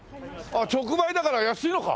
あっ直売だから安いのか？